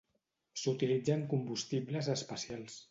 S'utilitza en combustibles especials.